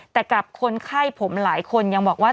แต่กลับคนไข้ผมหลายคนยังบอกว่า